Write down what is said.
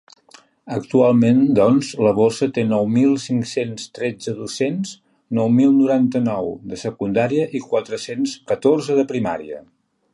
Actualment, doncs, la borsa té nou mil cinc-cents tretze docents, nou mil noranta-nou de secundària i quatre-cents catorze de primària.